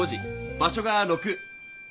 場所が６。